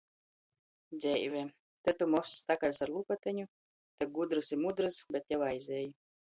Dzeive. Te tu mozs takaļs ar lupateņu, te gudrys i mudrys, bet jau aizej.